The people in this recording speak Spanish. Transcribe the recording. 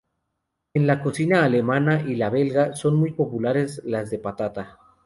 En la cocina alemana y la belga son muy populares las de patata.